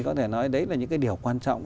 có thể nói đấy là những điều quan trọng